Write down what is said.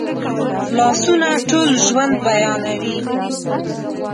لاسونه ټول ژوند بیانوي